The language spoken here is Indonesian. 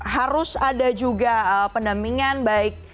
harus ada juga pendampingan baik